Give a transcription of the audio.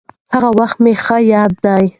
هغه وخت مې ښه ياد دي.